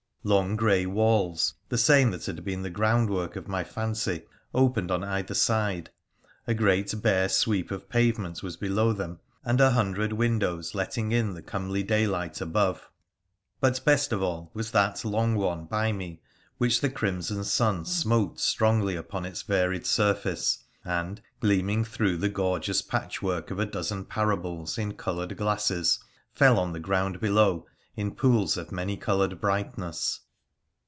Long grey walls — the same that had been the groundwork of my fancy — opened on either side, a great bare sweep of pavement was below them, and a hundred windows letting in the comely daylight above, but best of all was that long one by me which the crimson sun smote strongly upon its varied surface, and, gleaming through the gorgeous patchwork of a dozen parables in coloured glasses fell on the ground below in pools of many coloured brightness.